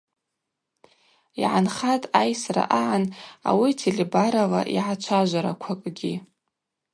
Йгӏанхатӏ айсра агӏан ауи телебарала йгӏачважвараквакӏгьи.